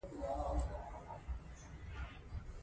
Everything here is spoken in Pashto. بادي انرژي د افغانستان د سیاسي جغرافیه برخه ده.